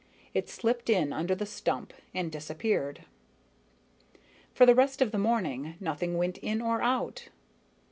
It slipped in under the stump and disappeared. For the rest of the morning, nothing went in or out.